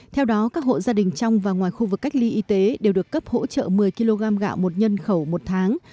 theo đó các hộ gia đình trong và ngoài khu vực cách ly y tế đều được cấp hỗ trợ một mươi kg gạo một nhân khẩu một tháng